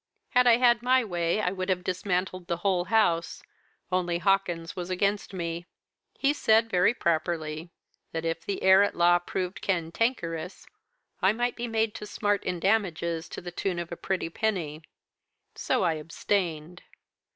Had I had my way I would have dismantled the whole house only Hawkins was against me. He said very properly, that if the heir at law proved cantankerous, I might be made to smart in damages to the tune of a pretty penny. So I abstained.